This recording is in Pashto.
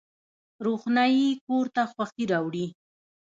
روښنايي کور ته خوښي راوړي